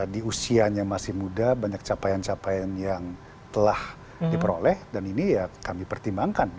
di usianya masih muda banyak capaian capaian yang telah diperoleh dan ini ya kami pertimbangkan